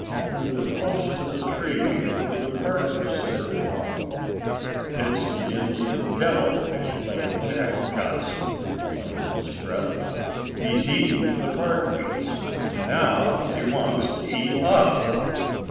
We were close to the tree where the partridges had been hung. "It's the Indian devil!" exclaimed Jack Johnston, under his breath. "He's eaten the partridges, and now he wants to eat us."